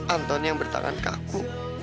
antoni yang bertangan kaku